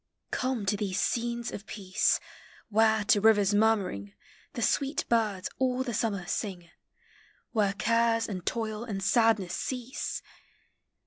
COMI to these scenes Of peace, Where, to rivers murmuring, The sweet birds all Hie summer sin . Where cares and (oil and sadness cease!